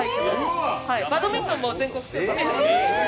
バドミントンも全国制覇してます。